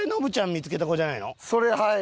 それはい